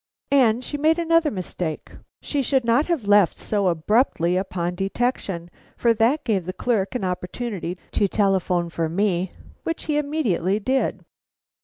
And she made another mistake. She should not have left so abruptly upon detection, for that gave the clerk an opportunity to telephone for me, which he immediately did.